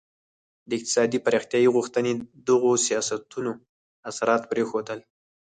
د اقتصادي پراختیايي غوښتنې دغو سیاستونو اثرات پرېښودل.